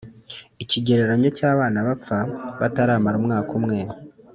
ikigereranyo cy'abana bapfa bataramara umwaka umwe